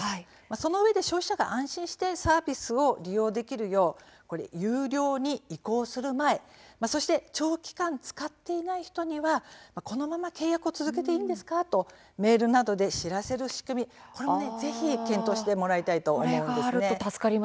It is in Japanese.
そのうえで消費者が安心してサービスを利用できるよう有料に移行する前そして長期間使っていない人にはこのまま契約を続けていいんですか？とメールなどで知らせる仕組みもぜひ検討してほしいと思います。